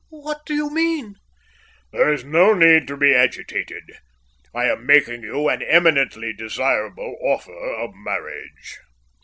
"What do you mean?" "There is no need to be agitated. I am making you an eminently desirable offer of marriage."